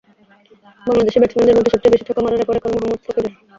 বাংলাদেশি ব্যাটসম্যানদের মধ্যে সবচেয়ে বেশি ছক্কা মারার রেকর্ড এখনো মোহাম্মদ রফিকের।